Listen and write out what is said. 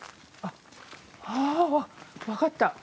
ああ分かった。